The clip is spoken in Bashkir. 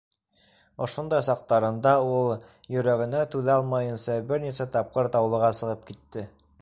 Ошондай саҡтарында ул, йөрәгенә түҙә алмайынса, бер нисә тапҡыр Таулыға сығып китте.